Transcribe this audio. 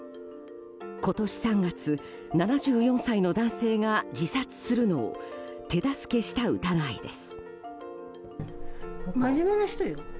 今年３月、７４歳の男性が自殺するのを手助けした疑いです。